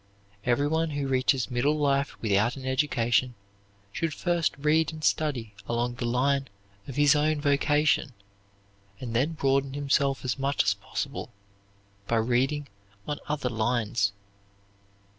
Everyone who reaches middle life without an education should first read and study along the line of his own vocation, and then broaden himself as much as possible by reading on other lines.